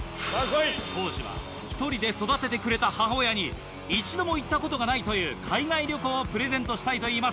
コージは１人で育ててくれた母親に一度も行ったことがないという海外旅行をプレゼントしたいと言います。